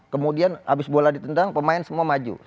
kemudian abis bola ditendang pemain semua maju